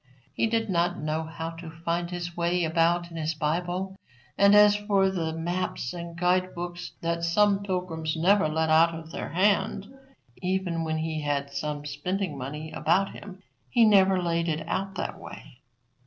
He did not know how to find his way about in his Bible; and as for the maps and guide books that some pilgrims never let out of their hand, even when he had some spending money about him, he never laid it out that way.